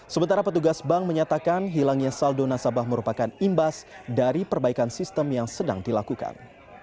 sementara petugas bank menyatakan hilangnya saldo nasabah merupakan imbas dari perbaikan sistem yang sedang dilakukan